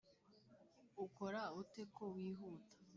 ukora ute ko wihuta